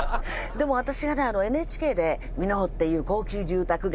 でも私がねＮＨＫで「箕面っていう高級住宅街！